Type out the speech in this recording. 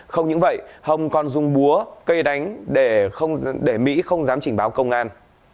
không những vậy hồng còn dung búa cây đánh để mỹ không dám chỉnh báo công an